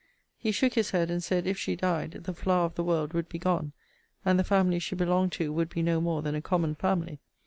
He shook his head, and said if she died, the flower of the world would be gone, and the family she belonged to would be no more than a common family.